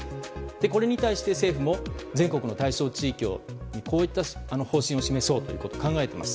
これに対して政府も全国の対象地域にこういった方針を示そうと考えています。